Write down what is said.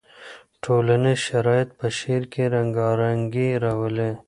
ټولنیز شرایط په شعر کې رنګارنګي راولي.